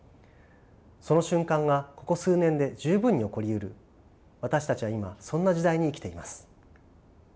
その瞬間がここ数年で十分に起こりうる私たちは今そんな時代に生きています。